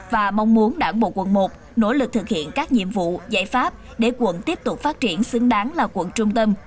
và mong muốn đảng bộ quận một nỗ lực thực hiện các nhiệm vụ giải pháp để quận tiếp tục phát triển xứng đáng là quận trung tâm